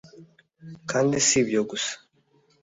kandi si ibyo gusa